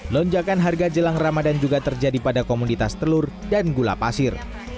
lonjakan harga jelang ramadan juga terjadi pada komunitas telur dan gula pasir